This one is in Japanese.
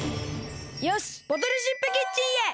よしボトルシップキッチンへ。